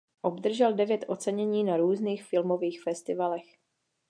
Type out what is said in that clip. Obdržel devět ocenění na různých filmových festivalech.